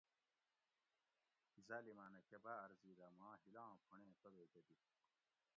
ظالمانہ کۤہ باارزی دہ ماں ھِیلاں پُھونڑیں توبیکہ دِیت